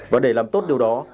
và để làm tốt điều đó